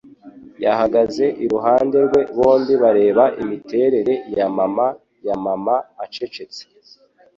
Yahagaze iruhande rwe bombi bareba imiterere ya mama ya mama acecetse.